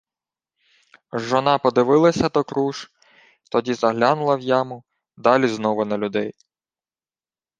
Жона подивилася докруж, тоді заглянула в яму, далі знову на людей.